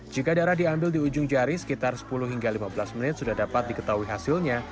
jika darah diambil di ujung jari sekitar sepuluh hingga lima belas menit sudah dapat diketahui hasilnya